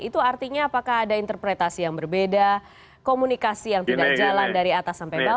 itu artinya apakah ada interpretasi yang berbeda komunikasi yang tidak jalan dari atas sampai bawah